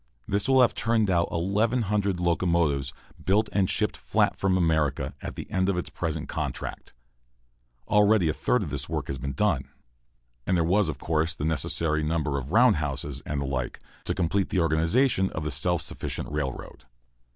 This will have turned out 1,100 locomotives, built and shipped flat from America, at the end of its present contract. Already a third of this work has been done. And there were, of course, the necessary number of roundhouses, and the like, to complete the organization of the self sufficient railroad.